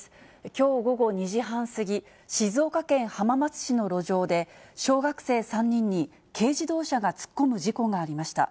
きょう午後２時半過ぎ、静岡県浜松市の路上で、小学生３人に軽自動車が突っ込む事故がありました。